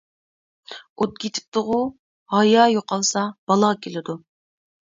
ئوت كېتىپتىغۇ ھايا يوقالسا، بالا كېلىدۇ!